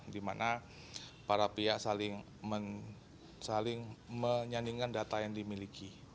dimana para pihak saling menyandingkan data yang dimiliki